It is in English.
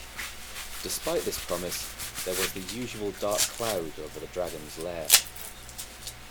Despite this promise there was the usual dark cloud over the dragon's lair.